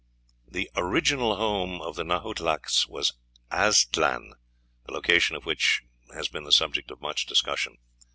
"The original home of the Nahuatlacas was Aztlan, the location of which has been the subject of much discussion.